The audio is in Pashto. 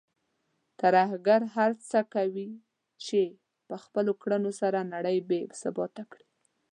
ترهګر هڅه کوي چې په خپلو کړنو سره نړۍ بې ثباته کړي.